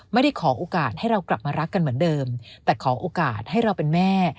ไม่ได้ขอโอกาสให้เรากลับมารักกันเหมือนเดิมแต่ขอโอกาสให้เราเป็นแม่